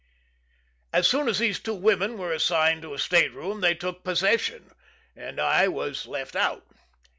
As soon as these two women were assigned to a state room, they took possession, and I was left out.